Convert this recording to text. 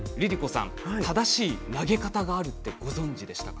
さん正しい投げ方があるってご存じでしたか？